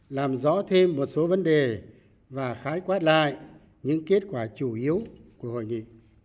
làm rõ thêm một số vấn đề và khái quát lại những kết quả chủ yếu của hội nghị